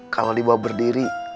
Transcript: kalau dibawa berdiri